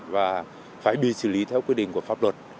và phải bị xử lý theo quy định của pháp luật